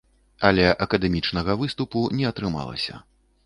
Але акадэмічнага выступу не атрымалася.